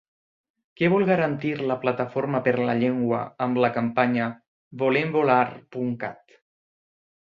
Què vol garantir La Plataforma per la Llengua amb la campanya volemvolar.cat?